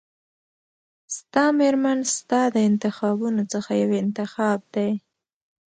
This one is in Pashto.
ستا مېرمن ستا د انتخابونو څخه یو انتخاب دی.